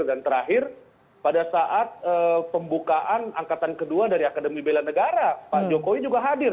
dan terakhir pada saat pembukaan angkatan kedua dari akademi belan negara pak jokowi juga hadir